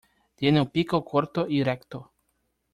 Tiene un pico corto y recto.